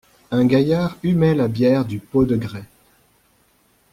Un gaillard humait la bière du pot de grès.